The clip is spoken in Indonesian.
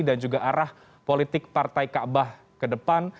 dan juga arah politik partai kaabah ke depan